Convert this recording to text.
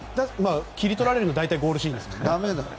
切り取られるのは大体ゴールシーンですからね。